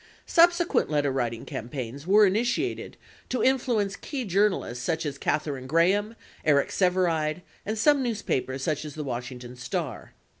41 Subsequent letterwriting campaigns were initiated to influence key journalists such as Katherine Graham, Eric Sevareid, and some newspapers such as the Washington Star.